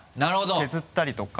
削ったりとか。